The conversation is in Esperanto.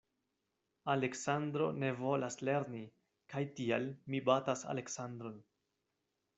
Aleksandro ne volas lerni, kaj tial mi batas Aleksandron.